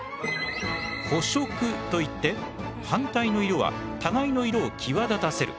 補色と言って反対の色は互いの色を際立たせる。